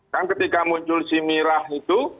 kan ketika muncul si mirah itu